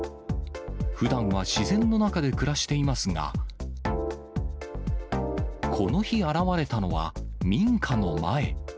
ふだんは自然の中で暮らしていますが、この日現れたのは民家の前。